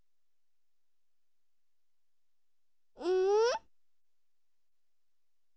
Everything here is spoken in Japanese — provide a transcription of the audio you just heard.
うん？